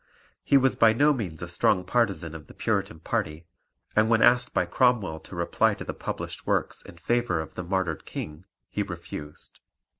He was by no means a strong partisan of the Puritan party, and when asked by Cromwell to reply to the published works in favour of the martyred King he refused.